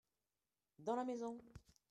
Dans la maison.